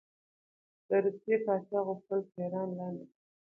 د روسیې پاچا غوښتل چې ایران لاندې کړي.